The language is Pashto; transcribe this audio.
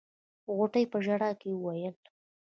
غوټۍ په ژړا کې وويل.